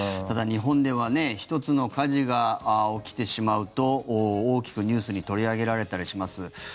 ただ日本では１つの火事が起きてしまうと大きくニュースに取り上げられたりします。